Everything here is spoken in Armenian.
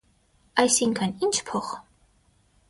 - Այսինքն ի՞նչ փող.